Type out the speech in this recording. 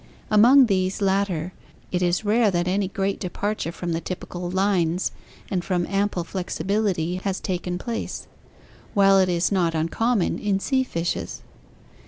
Among these latter it is rare that any great departure from the typical Mines' and from ample flexibility has taken place, while it is not uncommon in sea fishes.